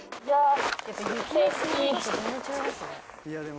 いや。